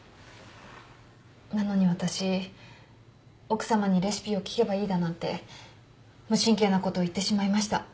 なのに私奥さまにレシピを聞けばいいだなんて無神経なことを言ってしまいました。